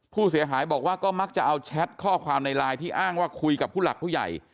ผู้เสียหายบอกว่าก็มักจะเอาแชทข้อความในไลน์ที่อ้างว่าคุยกับผู้หลักผู้ใหญ่